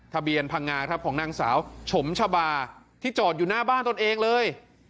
พังงาครับของนางสาวฉมชะบาที่จอดอยู่หน้าบ้านตนเองเลย